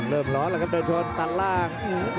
เริ่มร้อนแล้วกับเดินชนตันล่าง